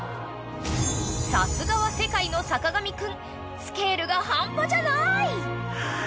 ［さすがは世界の坂上くんスケールが半端じゃない！］